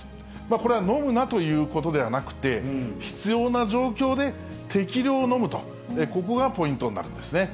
これは飲むなということではなくて、必要な状況で適量を飲むと、ここがポイントになるんですね。